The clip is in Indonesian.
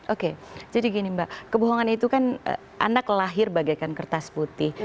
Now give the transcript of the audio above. oke jadi gini mbak kebohongan itu kan anak lahir bagaikan kertas putih